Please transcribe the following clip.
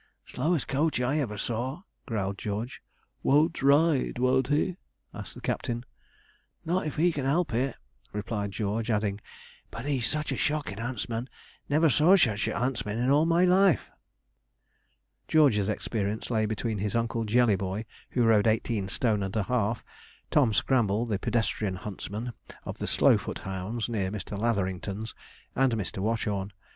'Slowest coach I ever saw,' growled George. 'Won't ride, won't he?' asked the Captain. 'Not if he can help it,' replied George, adding, 'but he's such a shocking huntsman never saw such a huntsman in all my life.' George's experience lay between his Uncle Jellyboy, who rode eighteen stone and a half, Tom Scramble, the pedestrian huntsman of the Slowfoot hounds, near Mr. Latherington's, and Mr. Watchorn.